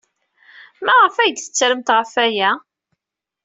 Maɣef ay d-tettremt ɣef waya?